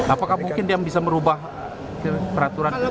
apakah mungkin dia bisa merubah peraturan itu